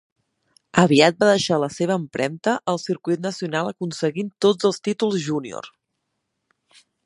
Aviat va deixar la seva empremta al circuit nacional aconseguint tots els títols júnior.